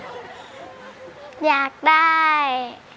อยากได้